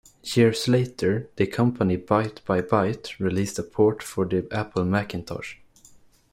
Years later, the company Byte by Byte released a port for the Apple Macintosh.